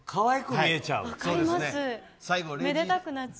めでたくなっちゃう。